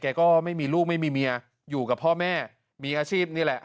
ก็ไม่มีลูกไม่มีเมียอยู่กับพ่อแม่มีอาชีพนี่แหละ